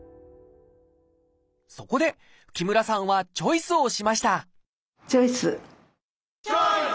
そこで木村さんはチョイスをしましたチョイス！